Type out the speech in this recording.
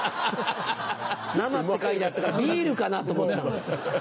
「生」って書いてあったからビールかなと思ったの。